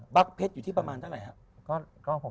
เพชรอยู่ที่ประมาณเท่าไหร่ครับ